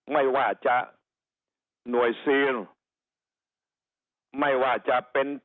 ไม่ว่าจะหน่วยซีนไม่ว่าจะเป็น